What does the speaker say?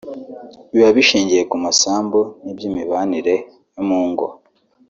biba bishingiye ku masambu n’iby’imibanire yo mu ngo